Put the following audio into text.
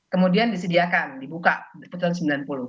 kemudian disediakan dibuka putusan sembilan puluh